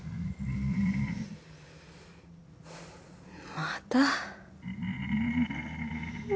・また？